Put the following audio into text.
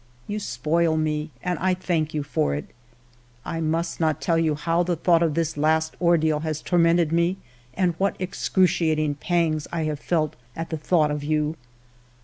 You spoil me, and I thank you for it. I must not tell you how the thought ALFRED DREYFUS 57 of this last ordeal has tormented me, and what excruciating pangs I have felt at the thought of you.